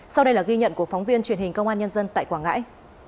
sau đây là ghi nhận của phóng viên truyền hình công an nhân dân tại quảng ngãi